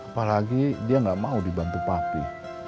apalagi dia nggak mau dibantu papi